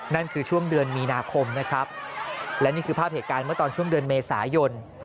นั่นคือช่วงเดือนมีนาคมนะครับและนี่คือภาพเหตุการณ์เมื่อตอนช่วงเดือนเมษายน